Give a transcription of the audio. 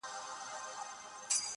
زړه ښځه وه یوازي اوسېدله -